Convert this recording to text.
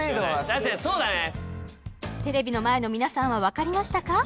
確かにそうだねテレビの前の皆さんは分かりましたか？